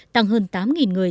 tăng hơn tám người